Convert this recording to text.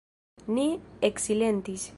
Ni eksilentis.